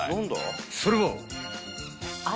［それは］